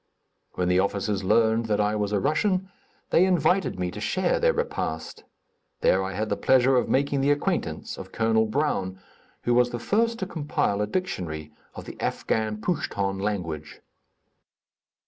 When the officers learned that I was a Russian, they invited me to share their repast. There I had the pleasure of making the acquaintance of Col. Brown, who was the first to compile a dictionary of the Afghan pouchton language.